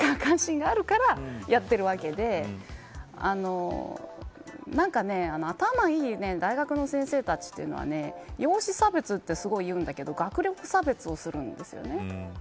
誰かが関心があるからやってるわけで何か、頭がいい大学の先生たちは容姿差別ってすごく言うんですけど学歴差別をするんです。